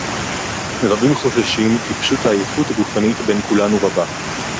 רַבִּים חוֹשְשִים, כִּי פָּשוּט הָעֲיֵיפוּת הַגוּפָנִית בֵּין כֻּלָנוּ רַבָּה.